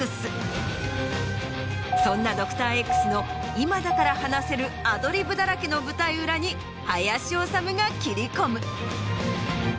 そんな『ドクターＸ』の今だから話せるアドリブだらけの舞台裏に林修が切り込む。